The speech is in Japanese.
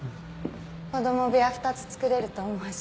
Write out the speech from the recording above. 子供部屋２つつくれると思うし。